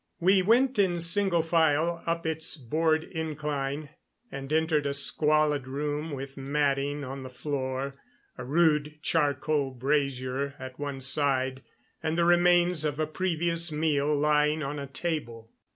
We went in single file up its board incline, and entered a squalid room with matting on the floor, a rude charcoal brazier at one side, and the remains of a previous meal lying on a table.